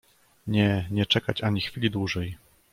"Nie, nie czekać ani chwili dłużej."